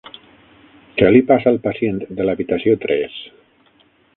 Què li passa al pacient de l'habitació tres?